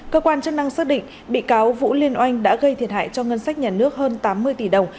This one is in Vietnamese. cơ quan chức năng xác định bị cáo vũ liên oanh đã gây thiệt hại cho ngân sách nhà nước hơn tám mươi tỷ đồng